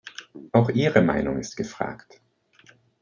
Auch Ihre Meinung ist gefragt.